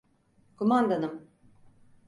Kumandanım.